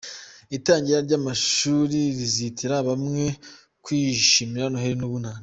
Itangira ry’amashuri rizitira bamwe kwishimira Noheli n’Ubunani